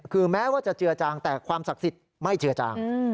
คือแม้ว่าจะเจือจางแต่ความศักดิ์สิทธิ์ไม่เจือจาง